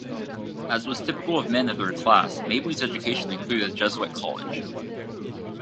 As was typical of men of their class, Mably's education included a Jesuit college.